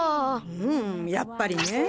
んやっぱりね。